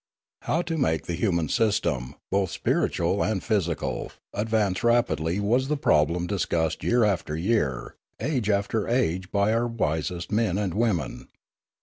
How to make the human system, both spiritual and physical, advance rapidly was the problem discussed year after year, age after age by our wisest men and women.